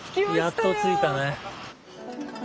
やっと着いたね。